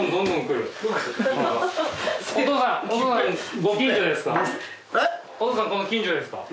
この近所ですか？